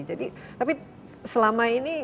jadi tapi selama ini